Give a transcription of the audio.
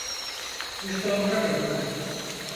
Bir kontrol edelim.